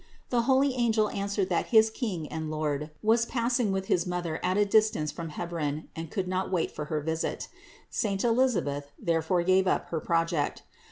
The holy angel answered that his King and Lord was passing with his Mother at a distance from Hebron and could not wait for her visit ; saint Elisabeth therefore gave up her project.